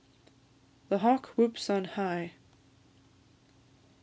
THE HAWK WHOOPS ON HIGH.